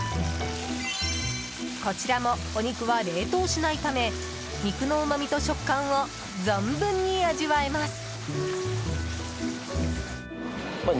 こちらもお肉は冷凍しないため肉のうまみと食感を存分に味わえます。